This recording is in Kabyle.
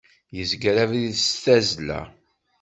Yezger abrid s tazzla.